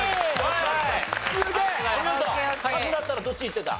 カズだったらどっちいってた？